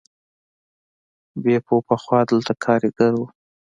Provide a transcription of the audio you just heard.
بیپو پخوا دلته کارګر و.